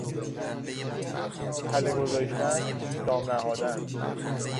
تله گذاشتن، دام نهادن